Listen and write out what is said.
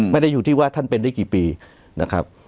ไม่ได้อยู่ที่ว่าท่านเป็นได้กี่ปีนะครับ